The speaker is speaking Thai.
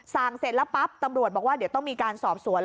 เสร็จแล้วปั๊บตำรวจบอกว่าเดี๋ยวต้องมีการสอบสวน